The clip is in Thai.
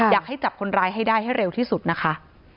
อยากให้จับคนร้ายให้ได้ให้เร็วที่สุดนะคะ